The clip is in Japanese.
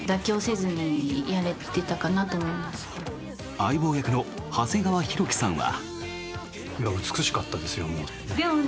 相棒役の長谷川博己さんは。